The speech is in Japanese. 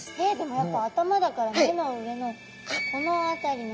やっぱ頭だから目の上のこの辺りのこの辺！